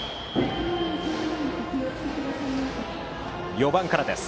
４番からです。